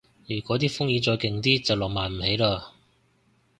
如嗰啲風雨再勁啲就浪漫唔起嘞